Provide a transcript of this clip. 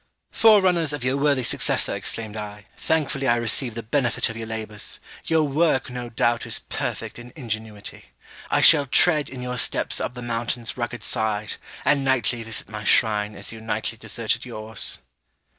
'Forerunners of your worthy successor,' exclaimed I, 'thankfully I receive the benefit of your labours! Your work, no doubt, is perfect in ingenuity; I shall tread in your steps up the mountain's rugged side, and nightly visit my shrine as you nightly deserted yours.'